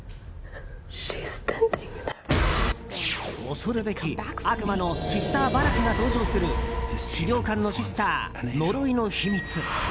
恐るべき悪魔のシスター・ヴァラクが登場する「死霊館のシスター呪いの秘密」。